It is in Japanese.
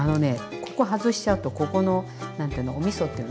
ここ外しちゃうとここの何ていうのおみそっていうの？